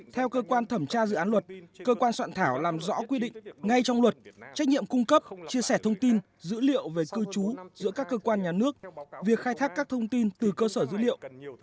theo cơ quan thẩm tra dự án luật cơ quan soạn thảo làm rõ quy định ngay trong luật trách nhiệm cung cấp chia sẻ thông tin dữ liệu về cư trú giữa các cơ quan nhà nước việc khai thác các thông tin từ cơ sở dữ liệu